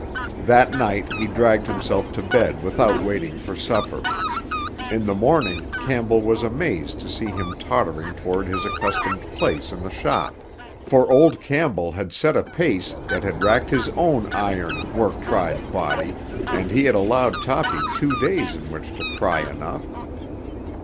That night he dragged himself to bed without waiting for supper. In the morning Campbell was amazed to see him tottering toward his accustomed place in the shop; for old Campbell had set a pace that had racked his own iron, work tried body, and he had allowed Toppy two days in which to cry enough.